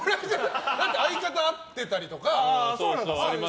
だって相方に会ってたりとか。